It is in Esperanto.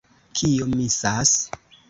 Kio misas?